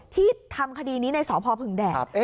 ที่ทำคดีนี้ในสพพึ่งแดด